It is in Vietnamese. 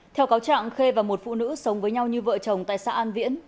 theo cáo trạng khê và một phụ nữ sống với nhau như vợ chồng tại xã an viễn